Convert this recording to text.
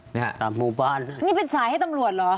เนี่ยตามหมู่บ้านนี่เป็นสายให้ตำรวจเหรอ